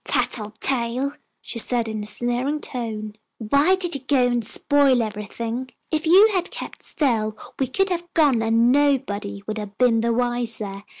"Tattletale," she said, in a sneering tone. "Why did you go and spoil everything? If you had kept still we could have gone and nobody would have been the wiser.